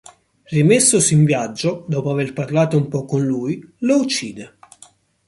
Rimessosi in viaggio, dopo aver parlato un po' con lui, lo uccide.